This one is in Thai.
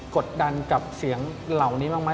กดดันกับเสียงเหล่านี้บ้างไหม